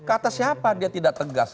kata siapa dia tidak tegas